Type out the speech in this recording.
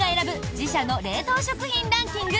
自社の冷凍食品ランキング